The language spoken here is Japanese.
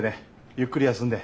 ゆっくり休んで。